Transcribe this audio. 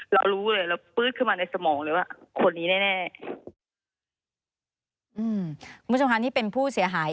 เรารู้เลยเราปื๊ดขึ้นมาในสมองเลยว่า